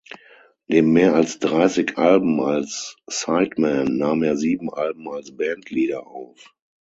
Neben mehr als dreißig Alben als Sideman nahm er sieben Alben als Bandleader auf.